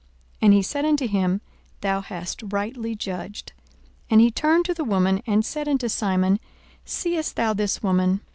And he said unto him, Thou hast rightly judged. 42:007:044 And he turned to the woman, and said unto Simon, Seest thou this woman?